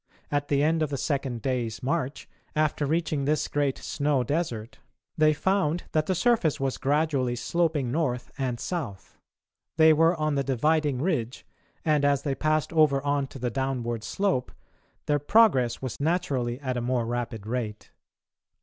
At the end of the second day's march after reaching this great snow desert, they found that the surface was gradually sloping north and south. They were on the dividing ridge and, as they passed over on to the downward slope, their progress was naturally at a more rapid rate.